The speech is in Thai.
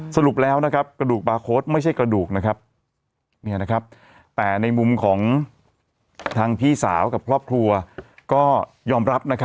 สรุปแล้วกระดูกบาร์โค้ดไม่ใช่กระดูกนะครับแต่ในมุมของทางพี่สาวกับครอบครัวก็ยอมรับ